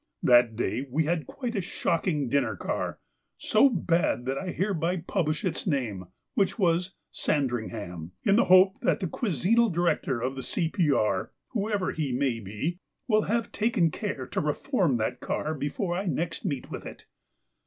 That day we had a quite shocking dining car, so bad that I hereby publish its name, which was 'Sandringham,' in the hope that the Cuisinal Director of the C.P.R, whoever he may be, will have taken care to reform that car before I next meet with it.